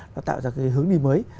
nó tạo ra cái hướng đi mới